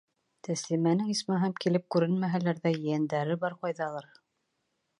Тәслимәнең, исмаһам, килеп күренмәһәләр ҙә, ейәндәре бар ҡайҙалыр...